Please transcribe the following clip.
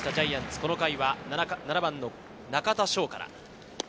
この回、７番・中田翔から。